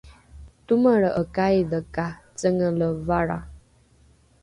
tomelre’ekaidhe ka cengele valra